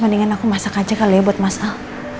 mendingan aku masak aja kali ya buat mas sal